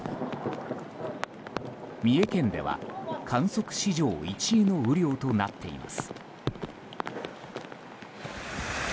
三重県では観測史上１位の雨量となっています。